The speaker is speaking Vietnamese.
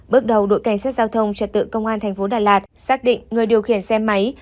bước đầu đội cảnh sát giao thông trật tự công an thành phố đà lạt xác định người điều khiển xe máy